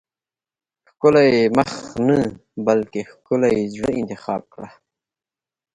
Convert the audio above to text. ښکلی مخ نه بلکې ښکلي زړه انتخاب کړه.